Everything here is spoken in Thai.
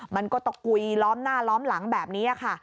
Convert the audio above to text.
มันก็ตะกุยล้อมหน้าล้อมหลังแบบนี้ค่ะ